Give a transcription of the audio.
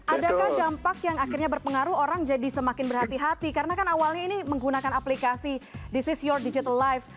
adakah dampak yang akhirnya berpengaruh orang jadi semakin berhati hati karena kan awalnya ini menggunakan aplikasi this is your digital life